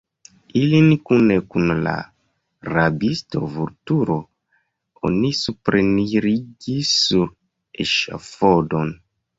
Ilin kune kun la rabisto Vulturo oni suprenirigis sur eŝafodon.